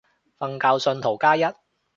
瞓覺信徒加一